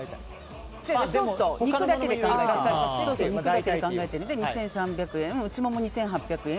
肉だけで考えてるので２３００円、内もも２８００円